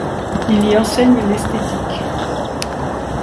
Il y enseigne l’esthétique.